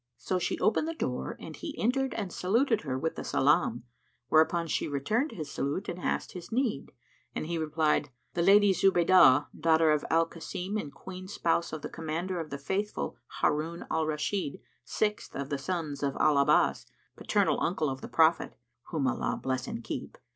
So she opened the door and he entered and saluted her with the salam; whereupon she returned his salute and asked his need; and he replied, "The Lady Zubaydah, daughter of Al Kasim[FN#91] and queen spouse of the Commander of the Faithful Harun al Rashid sixth[FN#92] of the sons of Al Abbas, paternal uncle of the Prophet (whom Allah bless and keep!)